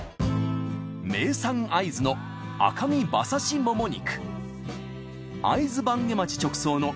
名産会津の赤身馬刺しモモ肉